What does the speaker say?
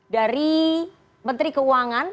dari menteri keuangan